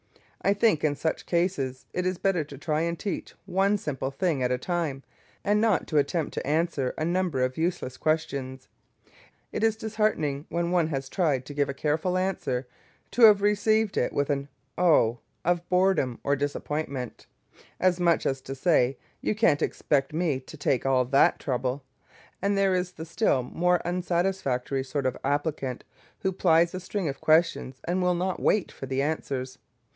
I think in such cases it is better to try and teach one simple thing at a time, and not to attempt to answer a number of useless questions. It is disheartening when one has tried to give a careful answer to have it received with an Oh! of boredom or disappointment, as much as to say, You can't expect me to take all that trouble; and there is the still more unsatisfactory sort of applicant, who plies a string of questions and will not wait for the answers!